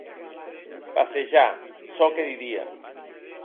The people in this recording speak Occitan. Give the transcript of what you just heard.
Passejar, çò que didia.